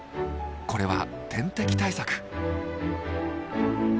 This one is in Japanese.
これは天敵対策。